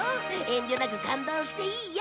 遠慮なく感動していいよ。